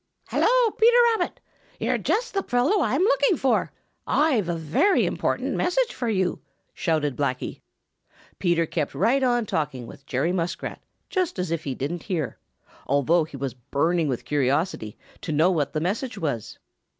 "Hello, Peter Rabbit! You're just the fellow I am looking for; I've a very important message for you," shouted Blacky. Peter kept right on talking with Jerry Muskrat just as if he didn't hear, although he was burning with curiosity to know what the message was.